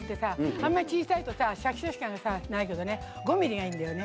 あんまり小さいとさシャキシャキ感がないけどね５ｍｍがいいんだよね。